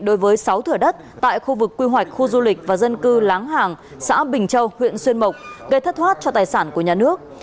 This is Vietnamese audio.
đối với sáu thửa đất tại khu vực quy hoạch khu du lịch và dân cư láng hàng xã bình châu huyện xuyên mộc gây thất thoát cho tài sản của nhà nước